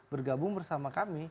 bergabung bersama kami